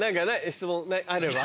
質問あれば。